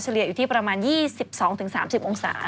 เลียอยู่ที่ประมาณ๒๒๓๐องศา